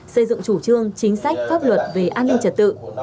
xây dựng chủ trương chính sách pháp luật về an ninh trật tự